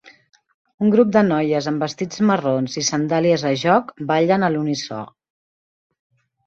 Un grup de noies amb vestits marrons i sandàlies a joc ballen a l'unisó.